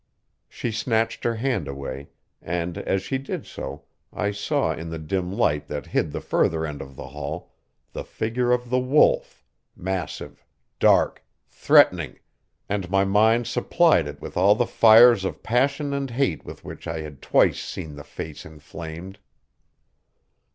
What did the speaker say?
She snatched her hand away, and as she did so I saw in the dim light that hid the further end of the hall, the figure of the Wolf, massive, dark, threatening, and my mind supplied it with all the fires of passion and hate with which I had twice seen the face inflamed.